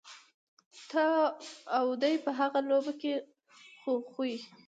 ته او دی په هغه لوبه کي خو خوئ.